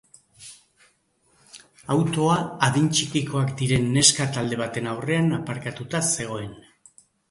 Autoa adin txikikoak diren neska talde baten aurrean aparkatuta zegoen.